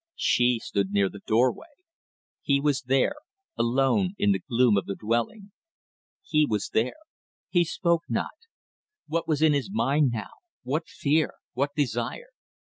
She stood near the doorway. He was there alone in the gloom of the dwelling. He was there. He spoke not. What was in his mind now? What fear? What desire?